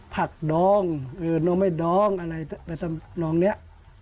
ผักดองเออนอไม้ดองอะไรแบบน้องนี้